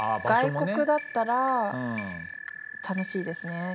外国だったら楽しいですね。